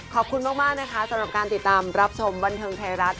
ขอบคุณมากนะคะสำหรับการติดตามรับชมบันเทิงไทยรัฐ